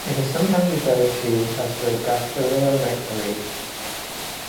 It is sometimes referred to as the "Gasparilla Night Parade".